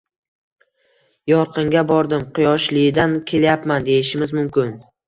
Yorqinga bordim, Quyoshlidan kelyapman, deyishimiz mumkin